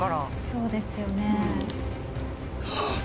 そうですよね。